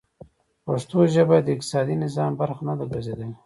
پښتو ژبه د اقتصادي نظام برخه نه ده ګرځېدلې.